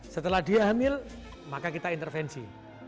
setelah dia hamil maka kita intervensi